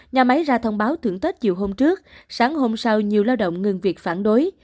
nhà máy ra thông báo thưởng tết chiều hôm trước sáng hôm sau nhiều lao động ngừng việc phản đối